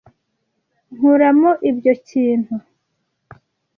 Nkuramo ibyo kintu.